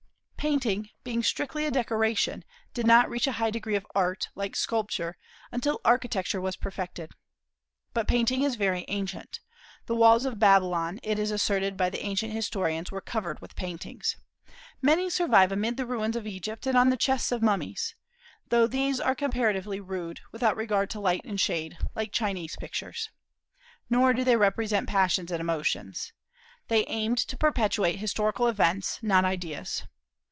Painting, being strictly a decoration, did not reach a high degree of art, like sculpture, until architecture was perfected. But painting is very ancient. The walls of Babylon, it is asserted by the ancient historians, were covered with paintings. Many survive amid the ruins of Egypt and on the chests of mummies; though these are comparatively rude, without regard to light and shade, like Chinese pictures. Nor do they represent passions and emotions. They aimed to perpetuate historical events, not ideas.